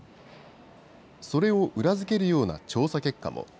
それを裏付けるような調査結果も。